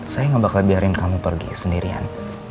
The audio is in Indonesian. saya gak bakal biarin kamu pergi sendirian